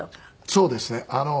そうですね。